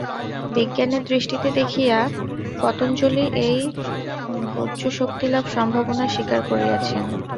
বিজ্ঞানের দৃষ্টিতে দেখিয়া পতঞ্জলি এই গুহ্যশক্তিলাভ সম্ভাবনা স্বীকার করিয়াছেন।